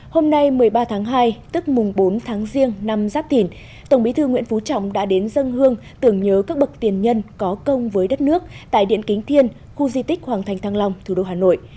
hôm nay một mươi ba tháng hai tức mùng bốn tháng riêng năm giáp thìn tổng bí thư nguyễn phú trọng đã đến dân hương tưởng nhớ các bậc tiền nhân có công với đất nước tại điện kính thiên khu di tích hoàng thành thăng long thủ đô hà nội